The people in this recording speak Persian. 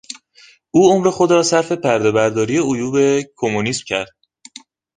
او عمر خود را صرف پردهبرداری عیوب کمونیسم کرد.